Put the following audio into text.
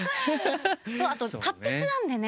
あと達筆なんでね。